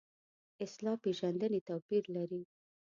اصطلاح پېژندنې توپیر لري.